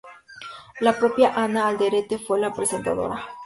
La propia Ana Alderete fue la presentadora.